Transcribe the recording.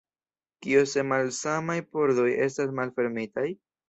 Kio se malsamaj pordoj estas malfermitaj?